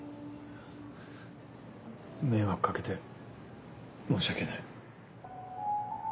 迷惑掛けて申し訳ない。